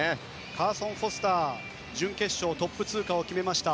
カーソン・フォスター準決勝トップ通過を決めました。